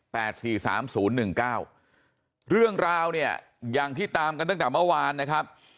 สามศูนย์หนึ่งเก้าเรื่องราวเนี่ยอย่างที่ตามกันตั้งแต่เมื่อวานนะครับ